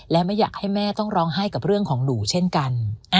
และไม่อยากให้แม่ต้องร้องไห้กับเรื่องของหนูเช่นกัน